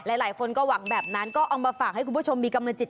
หลายคนก็หวังแบบนั้นก็เอามาฝากให้คุณผู้ชมมีกำลังจิต